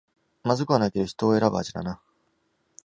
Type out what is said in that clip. まずくはないけど人を選ぶ味だな